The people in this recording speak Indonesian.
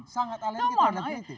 sangat alergi terhadap kritik